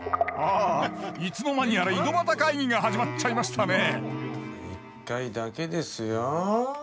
あいつの間にやら井戸端会議が始まっちゃいましたね一回だけですよ。